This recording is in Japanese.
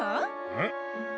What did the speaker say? うん？